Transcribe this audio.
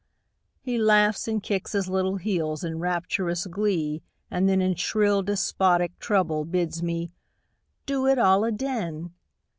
He laughs and kicks his little heels in rapturous glee, and then In shrill, despotic treble bids me "do it all aden!"